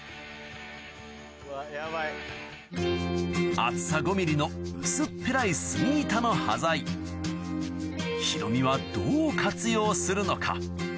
厚さ５ｍｍの薄っぺらい杉板の端材ヒロミはどう活用するのか？